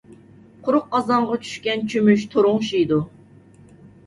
قۇرۇق قازانغا چۈشكەن چۆمۈچ تورۇڭشىيدۇ.